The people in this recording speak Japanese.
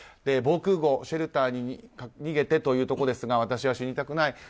防空壕、シェルターに逃げてということですが私は死にたくない。